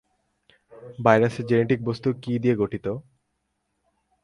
ভাইরাসের জেনেটিক বস্তু কী দিয়ে গঠিত?